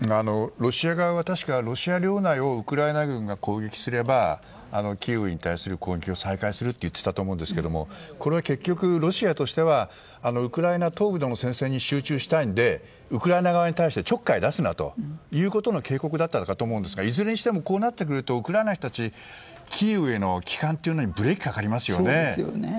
ロシア側はロシア領内をウクライナ軍が攻撃すればキーウに対する攻撃を再開すると言っていたと思うんですがこれはロシアとしてはウクライナ東部での戦線に集中したいのでウクライナ側に対しちょっかい出すなということの警告だったのかと思いますがいずれにしてもこうなるとウクライナの人たちはキーウへの帰還にブレーキがかかりますよね。